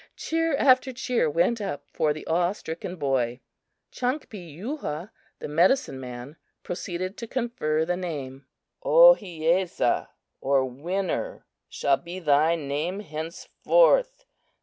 Cheer after cheer went up for the awe stricken boy. Chankpee yuhah, the medicine man, proceeded to confer the name. "Ohiyesa (or Winner) shall be thy name henceforth.